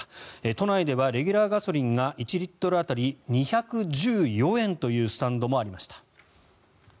都内ではレギュラーガソリンが１リットル当たり２１４円というスタンドもありました。